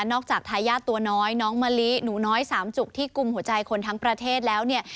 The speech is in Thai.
จากทายาทตัวน้อยน้องมะลิหนูน้อยสามจุกที่กลุ่มหัวใจคนทั้งประเทศแล้วเนี่ย